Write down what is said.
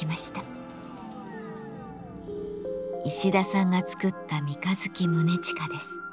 石田さんが作った三日月宗近です。